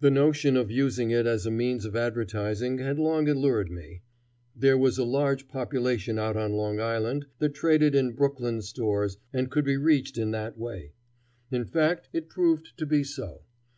The notion of using it as a means of advertising had long allured me. There was a large population out on Long Island that traded in Brooklyn stores and could be reached in that way. In fact, it proved to be so.